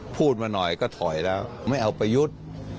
พูดมาหน่อยก็ถอยแล้วไม่เอาประยุทธ์